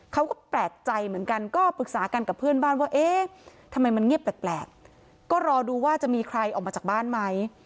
เขาก็แปลกใจเหมือนกันก็ปรึกษากันกับเพื่อนบ้านว่าเอ๊ะทำไมมันเงียบแปลกก็รอดูว่าจะมีใครออกมาจากบ้านไหม